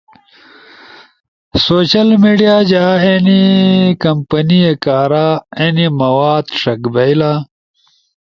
سوشل میڈیا جاں اینی کمپینے کارا اینی مواد ݜک بئیلا۔